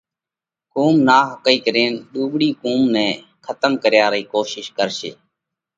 قُوم ناحقئِي ڪرينَ ۮُوٻۯِي قوم نئہ کتم ڪريا رئي ڪوشش ڪرشي۔